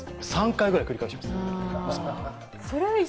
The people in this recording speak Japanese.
３回ぐらい繰り返します。